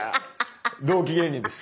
同期芸人です。